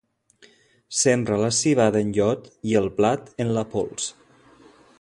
Sembra la civada en llot i el blat en la pols.